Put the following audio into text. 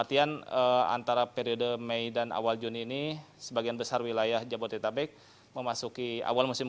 latihan antara periode mei dan awal juni ini sebagian besar wilayah jabodetabek memasuki awal musim